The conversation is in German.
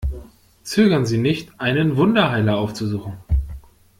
Zögern Sie nicht, einen Wunderheiler aufzusuchen!